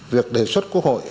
việc đề xuất quốc hội